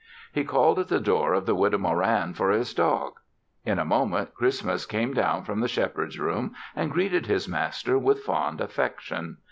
He called at the door of the Widow Moran for his dog. In a moment, Christmas came down from the Shepherd's room and greeted his master with fond affection.